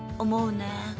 思うね。